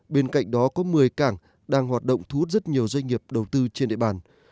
bên cạnh đó có một mươi cảng đang hoạt động thu hút rất nhiều doanh nghiệp đầu tư trên địa bàn